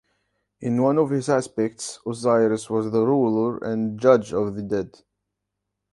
In one of his aspects, Osiris was the ruler and judge of the dead.